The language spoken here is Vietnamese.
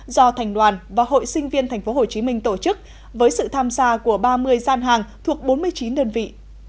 do thành đoàn và hội sinh viên tp hcm tổ chức với sự tham gia của ba mươi gian hàng thuộc bốn mươi chín đơn vị